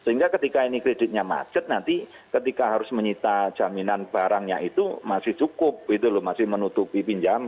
sehingga ketika ini kreditnya macet nanti ketika harus menyita jaminan barangnya itu masih cukup gitu loh masih menutupi pinjaman